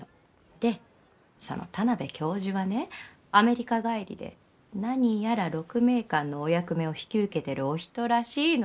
でその田邊教授がねアメリカ帰りで何やら鹿鳴館のお役目を引き受けてるお人らしいのよ！